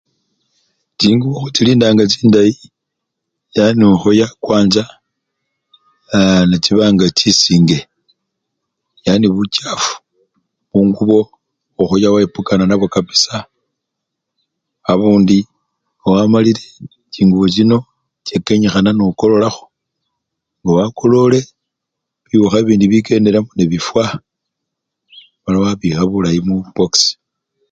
Chingubo khuchilinda nga chindayi yani okhoya kwanza aa! nechiba nga chisinge yani buchafu mungubo okhoya wepukana nabwo kapisa abundi ngawamalile chingubo chino kenyikhana nokololakho nga wakolole biwukha bindi ngabikendelamo nebifwa mala wabikha bulayi mwipox.